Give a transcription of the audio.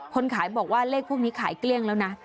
คนขายบอกว่าเลขพวกนี้ขายเกลี้ยงแล้วนะ